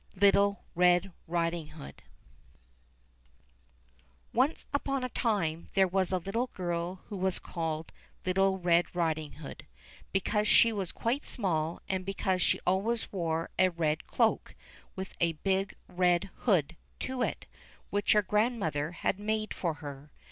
LITTLE RED RIDING HOOD ONCE upon a time there was a little girl who was called little Red Riding Hood, because she was quite small and because she always wore a red cloak with a big red hood to it, which her grandmother had made for her.